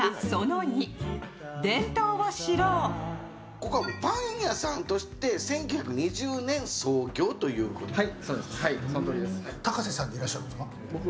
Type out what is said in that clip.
ここはパン屋さんとして１９２０年創業ということです。